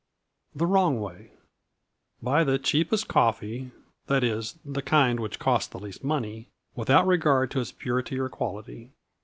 _ THE WRONG WAY. BUY the cheapest coffee that is, the kind which costs the least money without regard to its purity or quality.